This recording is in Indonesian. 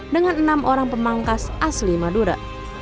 dengan enam orang pemangkas asli madura